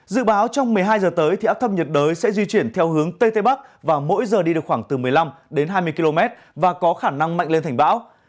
dự báo trong một mươi hai h tới thì áp thấp nhiệt đới sẽ di chuyển theo hướng tây tây bắc và mỗi giờ đi được khoảng từ một mươi năm đến hai mươi km và có khả năng mạnh lên thành bão